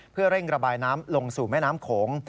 เพื่อเร่งระบายน้ำลงสู่แม่น้ำโขง